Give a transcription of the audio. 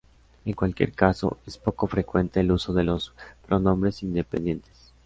En cualquier caso, es poco frecuente el uso de los pronombres independientes.